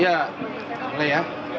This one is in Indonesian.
ya boleh ya